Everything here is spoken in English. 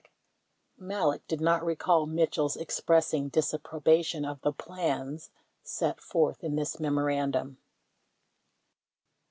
53 Malek did not recall Mitchell's expressing disapprobation of the plans set forth in this memorandum.